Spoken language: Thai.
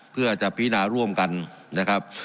เพื่อจะพินาร่วมกันนะครับ